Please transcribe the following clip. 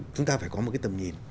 chúng ta phải có một cái tầm nhìn